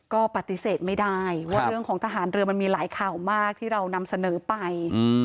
ก็ปฏิเสธไม่ได้ว่าเรื่องของทหารเรือมันมีหลายข่าวมากที่เรานำเสนอไป